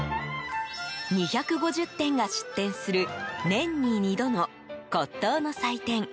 ２５０店が出店する年に２度の骨董の祭典